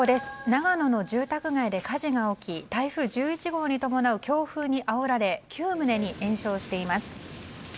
長野の住宅街で火事が起き台風１１号に伴う強風にあおられ９棟に延焼しています。